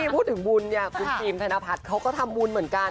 พูดถึงบุญเนี่ยคุณฟิล์มธนพัฒน์เขาก็ทำบุญเหมือนกัน